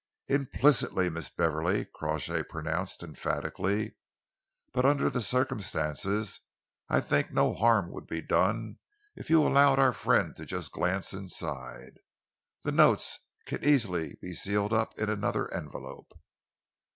"Implicitly, Miss Beverley," Crawshay pronounced emphatically, "but under the circumstances I think no harm would be done if you allowed our friend just to glance inside. The notes can easily be sealed up in another envelope."